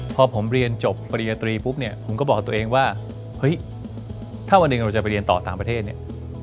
พอผมเรียนจบปริญญาตรีปุ๊บเนี่ยผมก็บอกตัวเองว่าเฮ้ยถ้าวันหนึ่งเราจะไปเรียนต่อต่างประเทศเนี่ย